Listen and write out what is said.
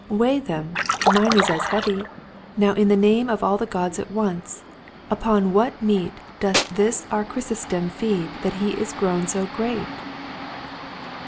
Weigh them, mine is as heavy. Now in the name of all the gods at once upon what meat doth this our Chrysostom feed that he is grown so great